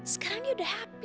sekarang dia udah happy